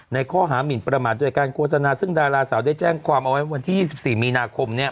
ในข้อหามินประมาทโดยการโฆษณาซึ่งดาราสาวได้แจ้งความเอาไว้วันที่๒๔มีนาคมเนี่ย